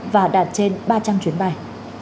và đạt trên ba trăm linh chuyến bay